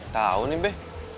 tahu nih be